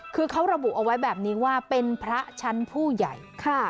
คือเขาระบุเอาไว้แบบนี้ว่าเป็นพระชั้นผู้ใหญ่